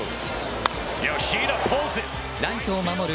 ライトを守る